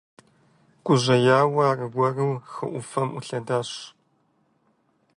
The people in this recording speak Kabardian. Гужьеяуэ, аргуэру хы Ӏуфэм Ӏулъэдащ.